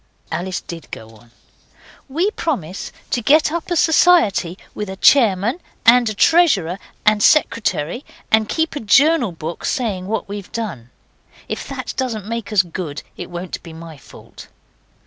Alice did go on. 'We propose to get up a society, with a chairman and a treasurer and secretary, and keep a journal book saying what we've done. If that doesn't make us good it won't be my fault.